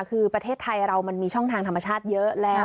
คือประเทศไทยเรามันมีช่องทางธรรมชาติเยอะแล้ว